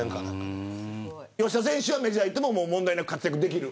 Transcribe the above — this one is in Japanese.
吉田選手はメジャーでも問題なく活躍できる。